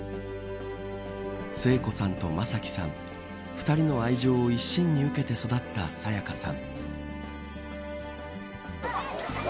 聖子さんと正輝さん２人の愛情を一身に受けて育った沙也加さん。